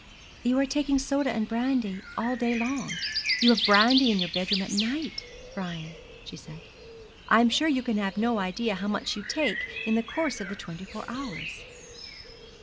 'You are taking soda and brandy all day long. You have brandy in your bedroom at night, Brian,' she said. 'I am sure you can have no idea how much you take in the course of the twenty four hours.'